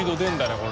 これ。